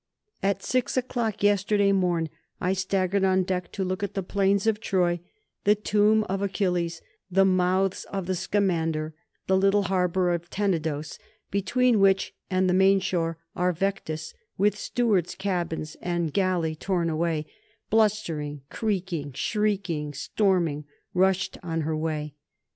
At six o'clock yesterday morn I staggered on deck to look at the plains of Troy, the tomb of Achilles, the mouths of the Scamander, the little harbour of Tenedos, between which and the mainshore our Vectis, with steward's cabins and galley torn away, blustering, creaking, shrieking, storming, rushed on her way.